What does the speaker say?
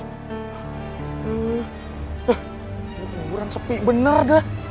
ini kuburan sepi bener dah